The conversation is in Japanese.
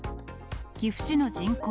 岐阜市の人口